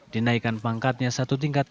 dinaikan pangkatnya satu tingkat